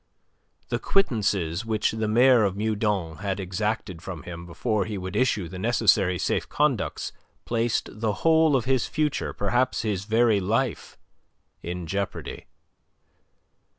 The quittances which the Mayor of Meudon had exacted from him before he would issue the necessary safe conducts placed the whole of his future, perhaps his very life, in jeopardy.